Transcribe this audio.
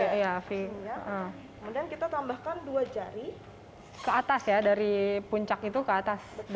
kemudian kita tambahkan dua jari ke atas ya dari puncak itu ke atas